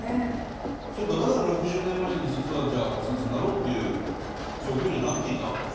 だから６０年前に実はじゃあお札になろうという状況にはなっていたわけだ。